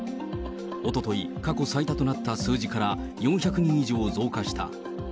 おととい、過去最多となった数字から４００人以上増加した。